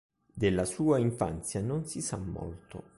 Della sua infanzia non si sa molto.